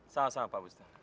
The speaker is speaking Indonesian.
sama sama pak busta